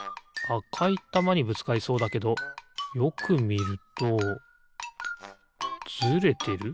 あかいたまにぶつかりそうだけどよくみるとずれてる？